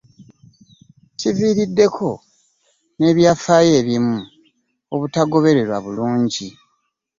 Kiviiriddeko n'ebyafaayo ebimu obutagobererwa bulungi